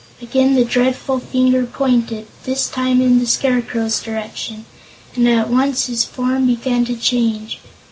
Again the dreadful finger pointed, this time in the Scarecrow's direction, and at once his form began to change.